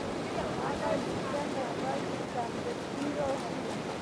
هغه لیکلي وو چې سمدستي راشه.